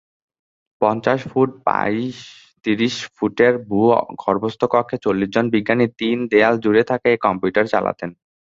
পঞ্চাশ foot by ত্রিশ ফুটের ভূ-গর্ভস্থ কক্ষে চল্লিশ জন বিজ্ঞানী তিন দেয়াল জুড়ে থাকা এই কম্পিউটার চালাতেন।